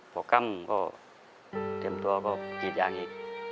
พอกล้ำก็เตรียมตัวก็กรีดยางอีก